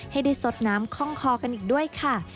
ให้ได้สดน้ำคล่องคอกันอีกด้วยค่ะ